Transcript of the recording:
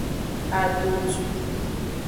Adodwi.